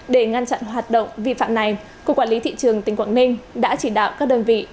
để ngăn chặn hoạt động vi phạm này cục quản lý thị trường tỉnh quảng ninh đã chỉ đạo các đơn vị